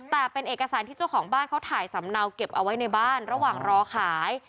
แต่เป็นเอกสารที่เจ้าของบ้านเขาถ่ายสำเนาเก็บเอาไว้ในบ้านระหว่างรอขาย